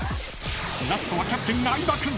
［ラストはキャプテン相葉君。